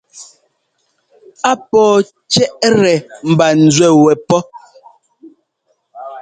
Á pɔ̌ɔ cɛ́ʼtɛ ḿba nzúɛ wɛ pɔ́.